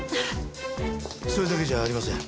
それだけじゃありません。